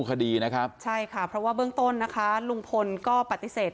คดีนะครับใช่ค่ะเพราะว่าเบื้องต้นนะคะลุงพลก็ปฏิเสธ